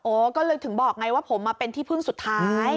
ก็เลยถึงบอกไงว่าผมมาเป็นที่พึ่งสุดท้าย